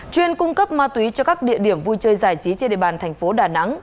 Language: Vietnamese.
chuyên cung cấp ma túy cho các địa điểm vui chơi giải trí trên địa bàn thành phố đà nẵng